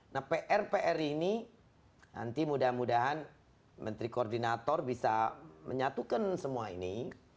nah pr pr ini nanti mudah mudahan menteri koordinator bisa menyatukan semua ini